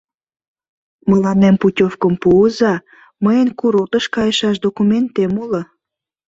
— Мыланем путёвкым пуыза, мыйын курортыш кайышаш документем уло.